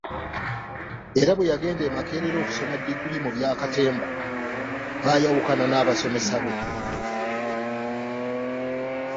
Era bwe yagenda e Makerere okusoma diguli mu bya katemba, baayawukana n’abasomesa be.